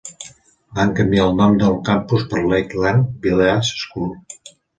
Van canviar el nom del campus per Lakeland Village School.